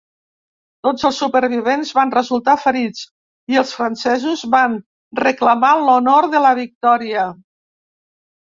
Tots els supervivents van resultar ferits, i els francesos van reclamar l'honor de la victòria.